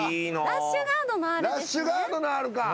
ラッシュガードのＲや。